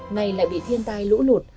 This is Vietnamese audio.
ngày lại bị thiên tai lũ lụt